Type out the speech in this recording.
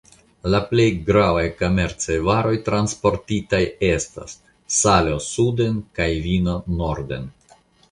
La plej gravaj komercaj varoj transportitaj estas salo suden kaj vino norden.